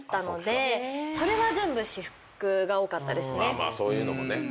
まあまあそういうのもね。